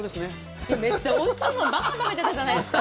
めっちゃおいしいものばかり食べてたじゃないですか。